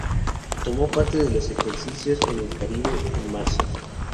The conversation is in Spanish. Tomó parte de los ejercicios en el Caribe en marzo.